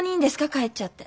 帰っちゃって。